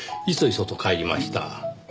いそいそと帰りました。